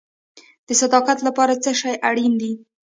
د صداقت لپاره څه شی اړین دی؟